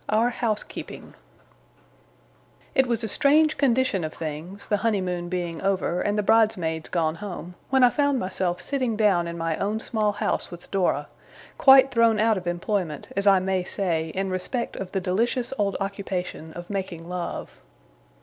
OUR HOUSEKEEPING It was a strange condition of things, the honeymoon being over, and the bridesmaids gone home, when I found myself sitting down in my own small house with Dora; quite thrown out of employment, as I may say, in respect of the delicious old occupation of making love.